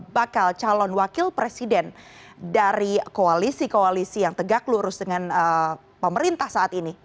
bakal calon wakil presiden dari koalisi koalisi yang tegak lurus dengan pemerintah saat ini